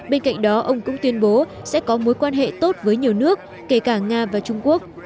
bên cạnh đó ông cũng tuyên bố sẽ có mối quan hệ tốt với nhiều nước kể cả nga và trung quốc